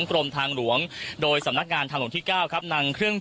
กรมทางหลวงโดยสำนักงานทางหลวงที่๙ครับนำเครื่อง